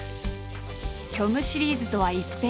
虚無シリーズとは一変。